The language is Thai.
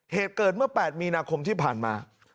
เหตุเกิดเมื่อ๘มีนาคมที่ผ่านมา